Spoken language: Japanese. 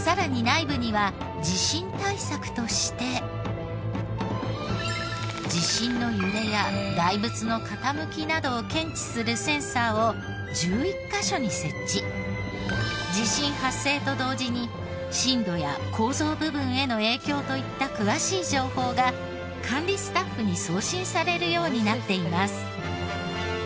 さらに地震の揺れや大仏の傾きなどを検知する地震発生と同時に震度や高層部分への影響といった詳しい情報が管理スタッフに送信されるようになっています。